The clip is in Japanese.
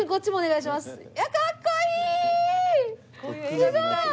すごい！